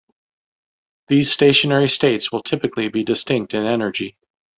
These stationary states will typically be distinct in energy.